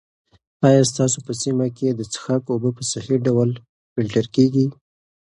آیا ستاسو په سیمه کې د څښاک اوبه په صحي ډول فلټر دي؟